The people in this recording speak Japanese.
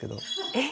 えっ？